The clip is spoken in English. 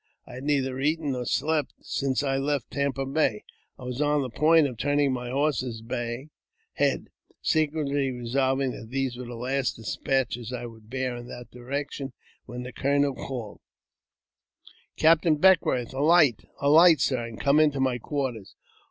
I had neither eaten nor slept since I left Tampa Bay. I was on the point of turning my horse's head, secretly resolving that these were the last despatches I would bear in that direction, when the colonel called — "Captain Beckwourth, alight! alight, sir, and come into my quarters.